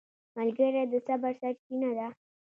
ملګری د صبر سرچینه ده